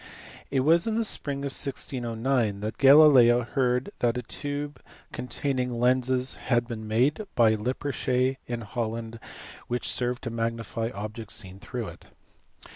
It was in the spring of 1609 that Galileo heard that a tube containing lenses had been made by Lippershey in IJolland which served to magnify objects seen through it.